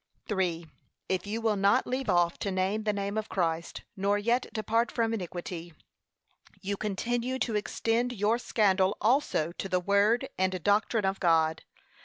3. If you will not leave off to name the name of Christ, nor yet depart from iniquity, you continue to extend your scandal also to the word and doctrine of God.